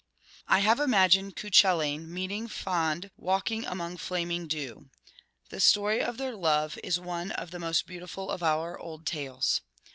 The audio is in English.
' I have imagined Cuchullain meeting Fand 'walking among flaming dew.' The story of 103 their love is one of the most beautiful of our old tales.